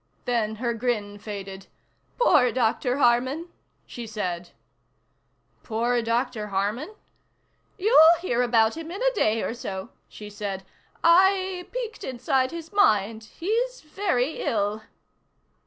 Then her grin faded. "Poor Dr. Harman," she said. "Poor Dr. Harman?" "You'll hear about him in a day or so," she said. "I peeked inside his mind. He's very ill."